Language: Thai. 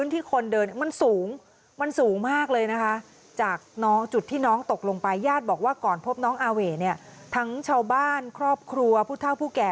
ทั้งชาวบ้านเคราะห์ครัวผู้เท่าผู้แก่